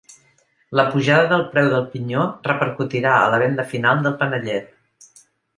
La pujada del preu del pinyó repercutirà a la venda final del panellet.